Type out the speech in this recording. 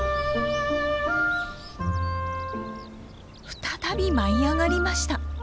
再び舞い上がりました！